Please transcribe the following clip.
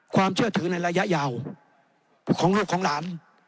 ความเชื่อถือในระยะยาวของลูกของหลาน